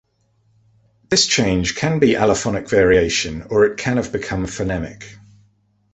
This change can be allophonic variation, or it can have become phonemic.